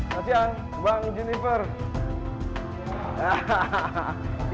masih yang bang juni fergirsang